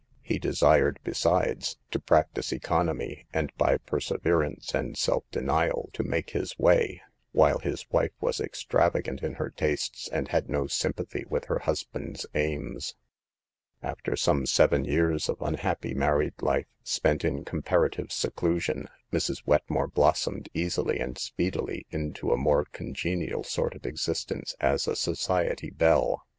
He desired, besides, to practice econ omy, and by perseverance and self denial to make his way, while his wife was extravagant in her tastes and had no sympathy with her husband's aims. After some seven years of unhappy married life, spent in comparative seclusion, Mrs. Wetmore blossomed easily and speedily into a more congenial sort of existence as a society belle.